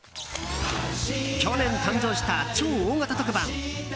去年誕生した超大型特番